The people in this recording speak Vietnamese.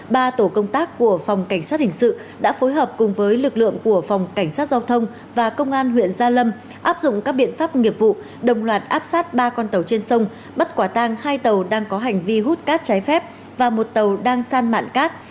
ba tổ công tác của phòng cảnh sát hình sự đã phối hợp cùng với lực lượng của phòng cảnh sát giao thông và công an huyện gia lâm áp dụng các biện pháp nghiệp vụ đồng loạt áp sát ba con tàu trên sông bắt quả tang hai tàu đang có hành vi hút cát trái phép và một tàu đang san mạn cát